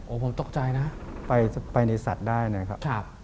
ผมตกใจนะไปในสัตว์ได้นะครับ